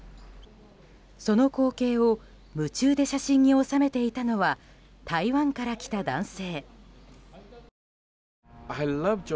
その光景を夢中で写真に収めていたのは台湾から来た男性。